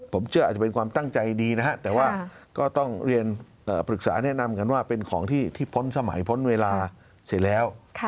ผมเชื่ออาจจะเป็นความตั้งใจดีนะฮะแต่ว่าก็ต้องเรียนปรึกษาแนะนำกันว่าเป็นของที่พ้นสมัยพ้นเวลาเสร็จแล้ว